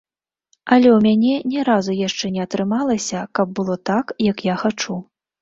Але ў мяне ні разу яшчэ не атрымалася каб было так, як я хачу.